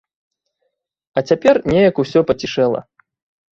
А цяпер неяк усё пацішэла.